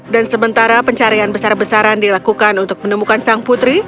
dan sementara pencarian besar besaran dilakukan untuk menemukan sang putri